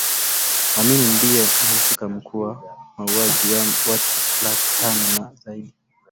Amin ndiye mhusika mkuu kwa mauaji ya watu laki tano na zaidi